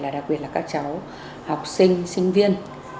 đặc biệt là các cháu học sinh sinh viên